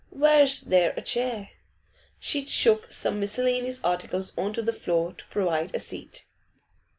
Where's there a chair?' She shook some miscellaneous articles on to the floor to provide a seat.